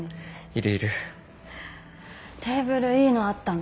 テーブルいいのあったの。